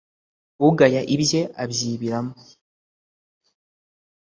Ugaya ibye abyibiramo.